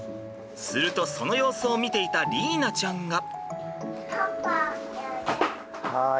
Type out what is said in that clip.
するとその様子を見ていた莉依菜ちゃんが。